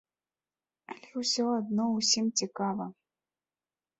Але ўсё адно ўсім цікава.